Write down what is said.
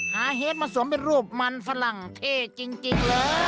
เฮดมาสวมเป็นรูปมันฝรั่งเท่จริงเลย